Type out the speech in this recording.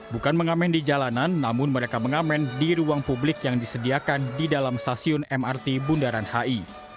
bukan mengamen di jalanan namun mereka mengamen di ruang publik yang disediakan di dalam stasiun mrt bundaran hi